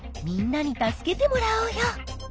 みんなに助けてもらおうよ。